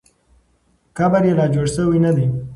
قبر یې لا جوړ سوی نه دی.